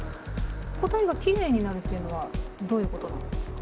答えがきれいになるっていうのはどういうことなんですか？